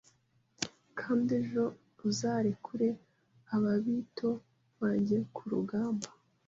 kandi ejo uzarekure Ababito bajye ku rugamba.